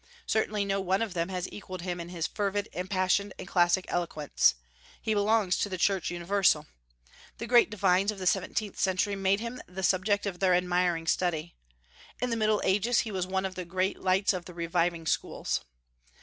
Certainly no one of them has equalled him in his fervid, impassioned, and classic eloquence. He belongs to the Church universal. The great divines of the seventeenth century made him the subject of their admiring study. In the Middle Ages he was one of the great lights of the reviving schools.